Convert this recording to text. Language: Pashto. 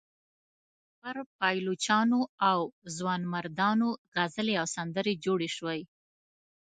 پر پایلوچانو او ځوانمردانو غزلې او سندرې جوړې شوې.